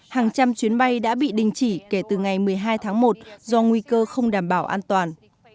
hàng trăm chuyến bay đã bị đình chỉ kể từ ngày một mươi hai tháng một do nguy cơ không đảm bảo an toàn